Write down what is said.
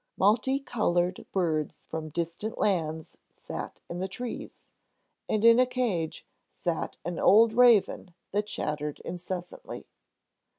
Multi colored birds from distant lands sat in the trees, and in a cage sat an old raven that chattered incessantly.